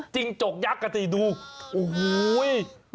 จิ้งจกยักษ์ขนาดนี้ดูโอโห้ย